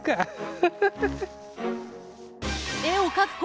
フフフフ。